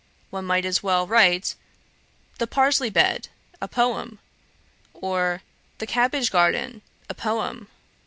One might as well write the "Parsley bed, a Poem;" or "The Cabbage garden, a Poem."'